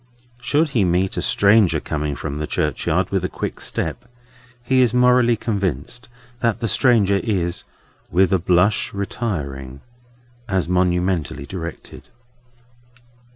Should he meet a stranger coming from the churchyard with a quick step, he is morally convinced that the stranger is "with a blush retiring," as monumentally directed.